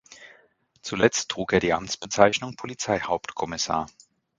Zuletzt trug er die Amtsbezeichnung Polizeihauptkommissar.